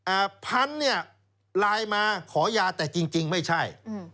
อ่าพันธุ์เนี่ยไลน์มาขอยาแต่จริงจริงไม่ใช่อืม